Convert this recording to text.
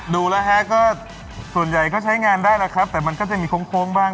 ดูแล้วฮะก็ส่วนใหญ่ก็ใช้งานได้แล้วครับแต่มันก็จะมีโค้งบ้าง